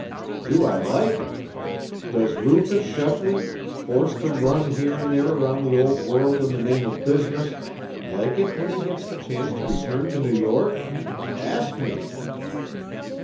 "Do I like it? Does Rufus Shepley, forced to run here and there around the old world in the name of business, like it when he gets the chance to return to New York? Ask me!"